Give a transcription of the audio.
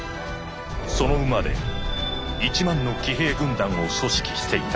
「その馬で一万の騎兵軍団を組織していた」。